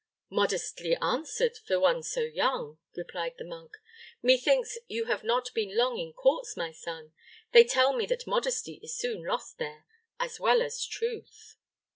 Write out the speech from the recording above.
"Modestly answered, for one so young," replied the monk. "Methinks you have not been long in courts, my son. They tell me that modesty is soon lost there, as well as truth."